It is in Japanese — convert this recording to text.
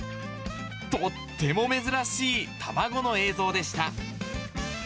とっても珍しい卵の映像でした。